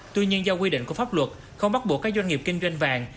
tuy nhiên do quy định của pháp luật không bắt buộc các doanh nghiệp kinh doanh vàng